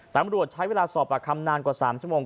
ตำรวจใช้เวลาสอบปากคำนานกว่า๓ชั่วโมง